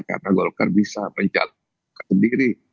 karena golkar bisa mencalonkan sendiri